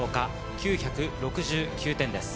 ９６９点です。